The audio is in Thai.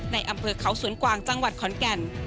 ในอำเภอเขาสวนกวางจังหวัดขอนแก่น